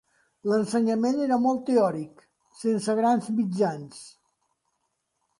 L'ensenyament era molt teòric, sense grans mitjans.